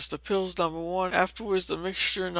The pills No. 1, afterwards the mixture No.